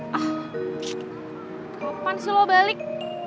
kapan sih lo balik